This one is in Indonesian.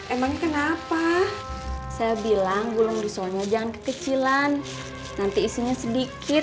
emang kenapa saya bilang gulung risolnya jangan kekecilan nanti isinya sedikit